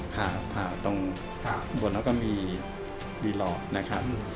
ผ่าตรงบวชแล้วก็มีวีหลอก